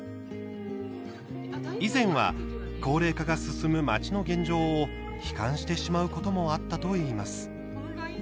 以前は高齢化が進む町の現状を悲観してしまうこともあったといいます。